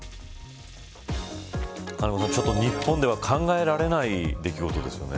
金子さん、日本では考えられない出来事ですよね。